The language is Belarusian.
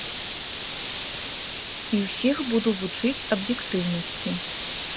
І усіх буду вучыць аб'ектыўнасці.